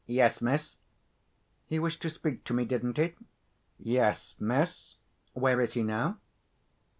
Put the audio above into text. "Yes, miss." "He wished to speak to me, didn't he?" "Yes, miss." "Where is he now?"